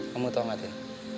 kamu tau gak tin